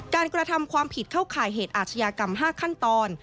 กระทำความผิดเข้าข่ายเหตุอาชญากรรม๕ขั้นตอน